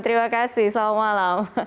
terima kasih selamat malam